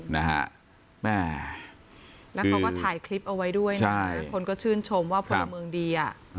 นะฮะแม่แล้วเขาก็ถ่ายคลิปเอาไว้ด้วยนะคนก็ชื่นชมว่าพลเมืองดีอ่ะ